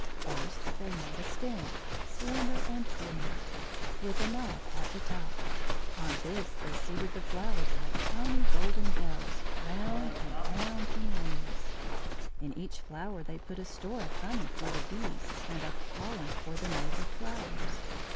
First they made a stem, slender and green, with a knob at the top. On this they seated the flowers like tiny golden bells round and round in rings. In each flower they put a store of honey for the bees and of pollen for the neighbour flowers.